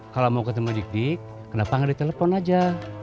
kalau mau ketemu dik dik kenapa nggak ditelepon aja